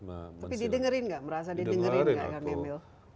tapi didengerin gak merasa didengerin gak